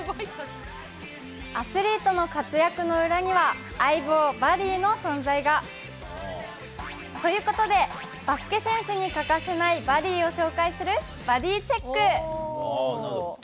アスリートの活躍の裏には、相棒・バディの存在が。ということで、バスケ選手に欠かせないバディを紹介するバディチェック。